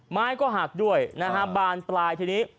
ไม้ก็หักด้วยนะฮะบานปลายทีนี้